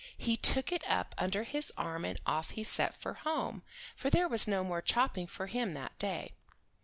He took it up under his arm and off he set for home, for there was no more chopping for him that day.